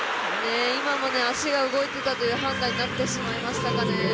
今も足が動いていたという判断になってしまいましたかね。